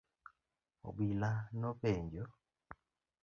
Obila nopenjo.